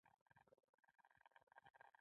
چې هغوی ستا د خوشحالۍ سبب شوي دي.